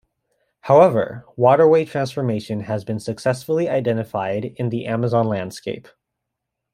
However, waterway transformation has been successfully identified in the Amazon landscape.